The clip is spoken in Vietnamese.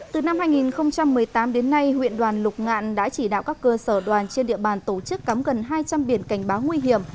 từ năm hai nghìn một mươi tám đến nay huyện đoàn lục ngạn đã chỉ đạo các cơ sở đoàn trên địa bàn tổ chức cắm gần hai trăm linh biển cảnh báo nguy hiểm